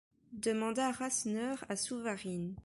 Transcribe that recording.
demanda Rasseneur à Souvarine.